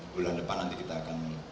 bulan depan nanti kita akan